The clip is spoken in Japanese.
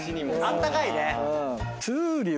あったかいね。